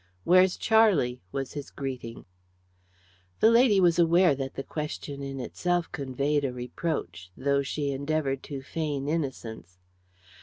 "Where's Charlie?" was his greeting. The lady was aware that the question in itself conveyed a reproach, though she endeavoured to feign innocence.